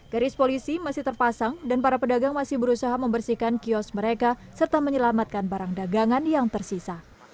garis polisi masih terpasang dan para pedagang masih berusaha membersihkan kios mereka serta menyelamatkan barang dagangan yang tersisa